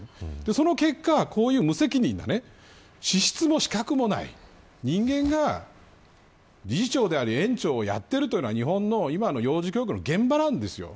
その結果、こういう無責任な資質も資格もない人間が理事長であり園長をやっているこれが日本の今の幼児教育の現場なんですよ。